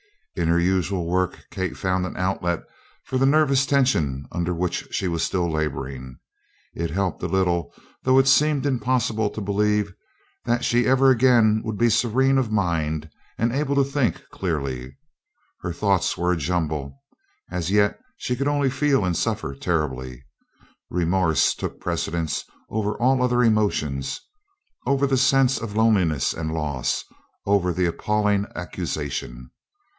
In her usual work Kate found an outlet for the nervous tension under which she was still laboring. It helped a little, though it seemed impossible to believe that she ever again would be serene of mind and able to think clearly. Her thoughts were a jumble; as yet she could only feel and suffer terribly. Remorse took precedence over all other emotions, over the sense of loneliness and loss, over the appalling accusation.